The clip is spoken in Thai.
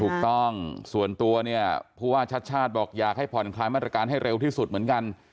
ถูกต้องส่วนตัวเนี่ยผู้ว่าชาติชาติบอกอยากให้ผ่อนคลายมาตรการให้เร็วที่สุดเหมือนกัน